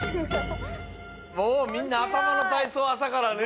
もうみんなあたまの体操朝からね。